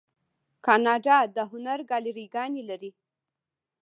کاناډا د هنر ګالري ګانې لري.